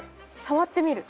触ってみる？